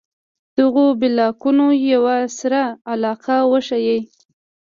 دغو بلاکونو یوه سره علاقه وښيي.